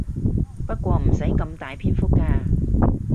不過唔使咁大篇幅㗎